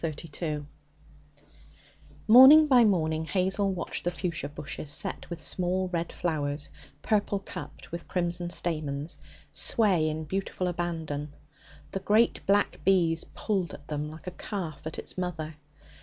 Chapter 32 Morning by morning Hazel watched the fuchsia bushes, set with small red flowers, purple cupped, with crimson stamens, sway in beautiful abandon. The great black bees pulled at them like a calf at its mother.